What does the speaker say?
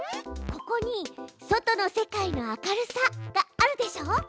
ここに「外の世界の明るさ」があるでしょ。